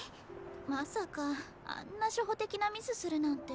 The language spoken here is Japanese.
まさかあんな初歩的なミスするなんて。